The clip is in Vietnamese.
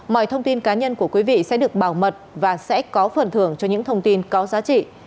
mọi thông tin cá nhân của quý vị sẽ được bảo mật và sẽ có phần thưởng cho những thông tin có giá trị